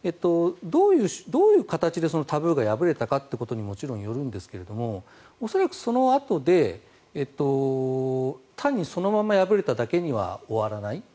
どういう形でタブーが破れたかということにもよるんですが恐らく、そのあとで単にそのまま破れただけには終わらない。